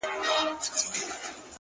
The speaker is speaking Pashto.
اې د دوو سترگو ښايسته قدم اخله”